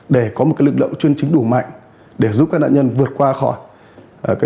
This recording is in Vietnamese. để có một lực lượng chuyên chính đủ mạnh để giúp các nạn nhân vượt qua khỏi